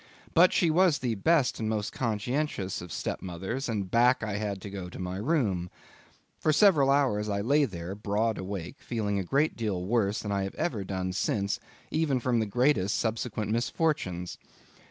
But she was the best and most conscientious of stepmothers, and back I had to go to my room. For several hours I lay there broad awake, feeling a great deal worse than I have ever done since, even from the greatest subsequent misfortunes.